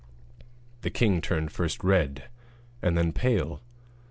The king turned first red and then pale.